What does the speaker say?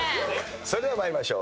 それでは参りましょう。